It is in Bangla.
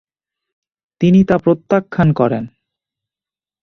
তিনি তা প্রত্যাখ্যান করেন।